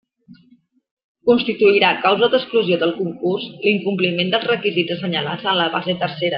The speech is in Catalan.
Constituirà causa d'exclusió del concurs l'incompliment dels requisits assenyalats en la base tercera.